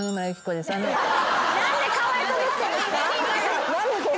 何でかわいこぶってるんすか？